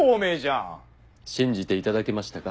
信じていただけましたか？